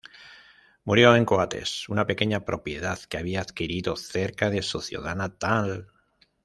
Murió en Coates, una pequeña propiedad que había adquirido cerca de su ciudad natal.